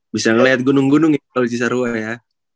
bisa ngeliat gunung gunung ya kalau di cisarua ya